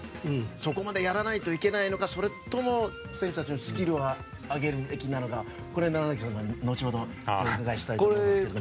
そこまでやらないといけないのかそれとも選手たちのスキルを上げるべきなのかこれは後ほど、楢崎さんにお伺いしたいと思いますけど。